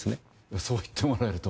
そう言ってもらえると。